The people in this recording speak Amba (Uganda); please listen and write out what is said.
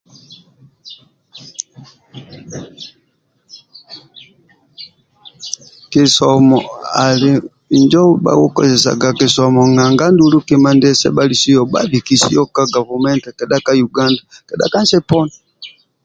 Kisomo ali injo bhakikozesaga kisomo nanga andulu ndia sebhalisio bhabikisio ka gavumenti kedha ka uganda kedha kansi poni